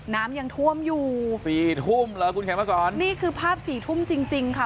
น้ำยังท่วมอยู่สี่ทุ่มเหรอคุณเขียนมาสอนนี่คือภาพสี่ทุ่มจริงจริงค่ะ